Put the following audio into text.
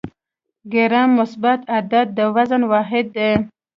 ګرام مثبت عدد د وزن واحد دی.